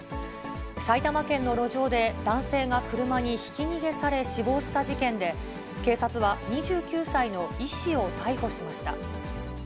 埼玉県の路上で、男性が車にひき逃げされ死亡した事件で、警察は２９歳の医師を逮捕しました。